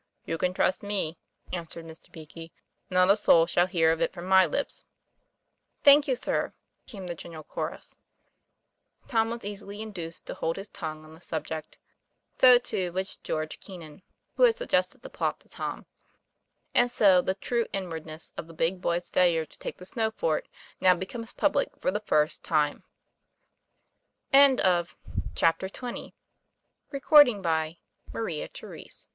"You can trust me," answered Mr. Beakey, "not a soul shall hear of it from my lips." 'Thank you, sir," came the general chorus. Tom was easily induced to hold his tongue on the subject; so, too, was George Keenan (who had sug gested the plot to Tom) ; and so the " true inward ness" of the big boys' failure to take the snow fort now becomes public for the first time. CHAPTER XXI. IN WHICH TOM MEETS WITH A BITTER TRIAL.